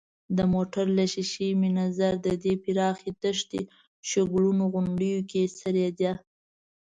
د موټر له ښېښې مې نظر د دې پراخې دښتې شګلنو غونډیو کې څرېده.